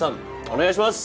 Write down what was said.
お願いします。